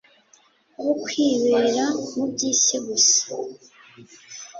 aho kwibera mu byisi gusa